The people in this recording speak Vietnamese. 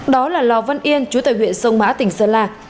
đó là lò văn yên chú tại huyện sông mã tỉnh sơn la